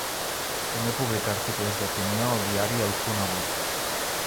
També publica articles d'opinió al diari El Punt Avui.